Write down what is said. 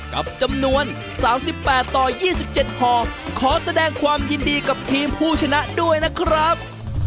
กับจำนวน๓๘ต่อ๒๗ห่อขอแสดงความยินดีกับทีมผู้ชนะด้วยนะครับ